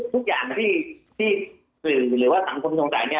ทุกอย่างที่สื่อหรือว่าสังคมสงสัยเนี่ย